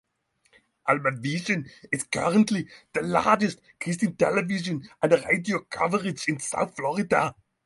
Almavision is currently the largest Christian Television and radio coverage in South Florida.